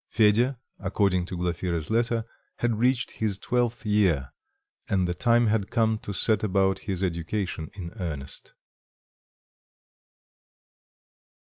Fedya, according to Glafira's letter, had reached his twelfth year, and the time had come to set about his education in earnest.